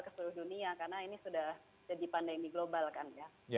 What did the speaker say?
ke seluruh dunia karena ini sudah jadi pandemi global kan ya